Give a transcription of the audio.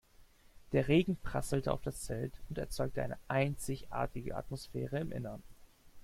Der Regen prasselte auf das Zelt und erzeugte eine einzigartige Atmosphäre im Innern.